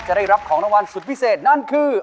ได้รับของรางวัลสุดพิเศษนั่นคือ